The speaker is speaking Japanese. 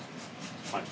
はい。